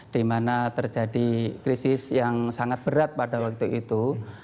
di mana terjadi krisis yang sangat berat pada waktu itu